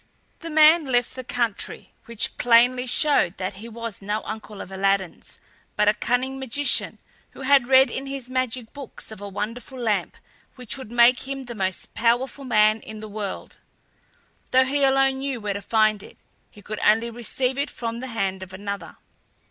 The man left the country, which plainly showed that he was no uncle of Aladdin's but a cunning magician, who had read in his magic books of a wonderful lamp, which would make him the most powerful man in the world. Though he alone knew where to find it, he could only receive it from the hand of another.